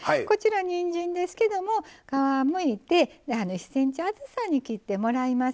こちらにんじんですけども皮むいて１ｃｍ厚さに切ってもらいます。